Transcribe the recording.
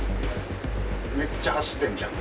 めっちゃ走ってんじゃん。